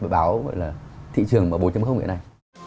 báo thị trường bốn hiện nay